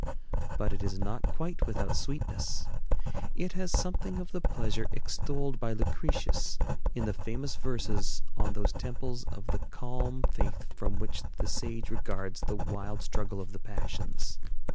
But it is not quite without sweetness. It has something of the pleasure extolled by Lucretius in the famous verses on those temples of the calm faith from which the sage regards the wild struggle of the passions.